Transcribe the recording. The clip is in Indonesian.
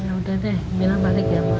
ya udah deh mila balik ya mak